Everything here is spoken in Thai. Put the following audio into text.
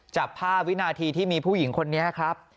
จับภาพวินาทีที่มีผู้หญิงคนนี้ครับ